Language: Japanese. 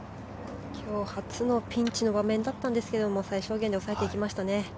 今日初のピンチの場面だったんですが最小限で抑えていきましたね。